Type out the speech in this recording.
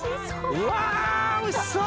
うわおいしそう！